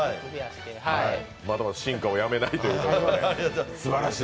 まだまだ進化をやめないということですばらしい。